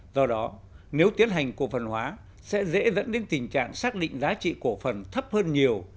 do đó nếu tiến hành cổ phần hóa sẽ dễ dẫn đến tình trạng xác định giá trị cổ phần thấp hơn nhiều